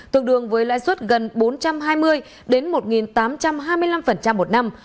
tượng đường với lãi suất gần bốn trăm hai mươi đến một tám trăm hai mươi năm một năm